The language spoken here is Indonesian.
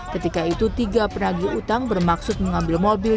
ketika itu tiga penagi utang bermaksud mengambil mobil